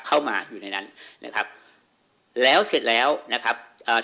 เข้ามาอยู่ในนั้นนะครับแล้วเสร็จแล้วนะครับเอ่อ